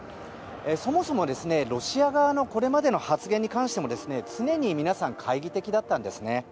そもそもロシア側のこれまでの発言に関しても常に皆さん懐疑的だったんですね。